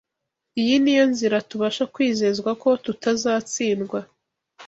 Iyi ni yo nzira tubasha kwizezwa ko tutazatsindwa